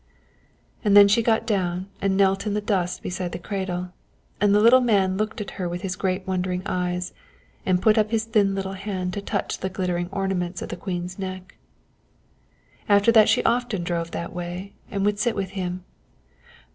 "And then she got down and knelt in the dust beside the cradle, and the little man looked at her with his great wondering eyes, and put up his thin little hand to touch the glittering ornaments at the Queen's neck. And after that she often drove that way, and would sit with him.